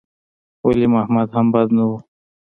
ولي محمد هم بد نه و.